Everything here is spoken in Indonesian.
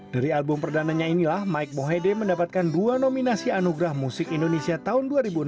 dari album perdananya inilah mike mohede mendapatkan dua nominasi anugerah musik indonesia tahun dua ribu enam belas